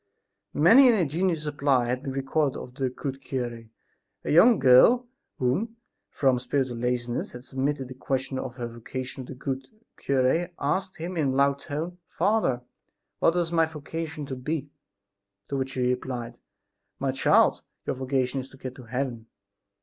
Many an ingenious reply has been recorded of the good cure. A young girl who, from spiritual laziness, had submitted the question of her vocation to the good cure, asked him in a loud tone: "Father, what is my vocation to be?" To which he replied: "My child, your vocation is to get to heaven."